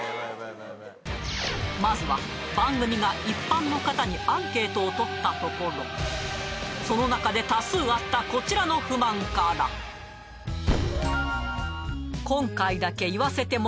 まずは番組が一般の方にアンケートをとったところその中で多数あったこちらの不満からについてよーし